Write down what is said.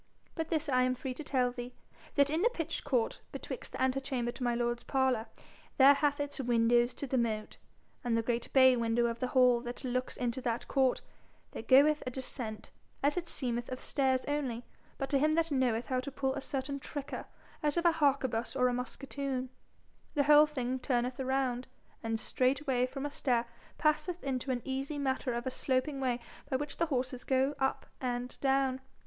But this I am free to tell thee that in the pitched court, betwixt the antechamber to my lord's parlour that hath its windows to the moat, and the great bay window of the hall that looks into that court, there goeth a descent, as it seemeth of stairs only; but to him that knoweth how to pull a certain tricker, as of an harquebus or musquetoon, the whole thing turneth around, and straightway from a stair passeth into an easy matter of a sloping way by the which horses go up and down.